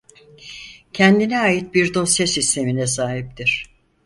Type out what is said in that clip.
Kendine ait bir dosya sistemine sahiptir.